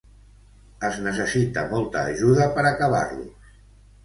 Es necessita molta ajuda per acabar-los.